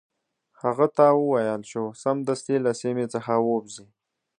هغه ته وویل شو سمدستي له سیمي څخه ووزي.